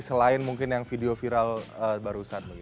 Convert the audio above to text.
selain mungkin yang video viral barusan